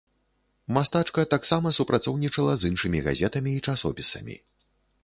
Мастачка таксама супрацоўнічала з іншымі газетамі і часопісамі.